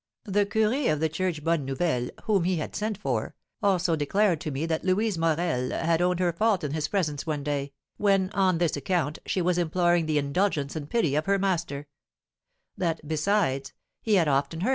The curé of the church Bonne Nouvelle, whom he had sent for, also declared to me that Louise Morel had owned her fault in his presence one day, when, on this account, she was imploring the indulgence and pity of her master; that, besides, he had often heard M.